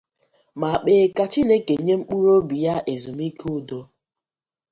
ma kpee ka Chineke nye mkpụrụobi ya ezumike udo.